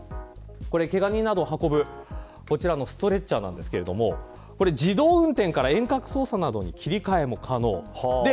けが人を運ぶ、こちらストレッチャーなんですが自動運転から遠隔操作などに切り替えも可能です。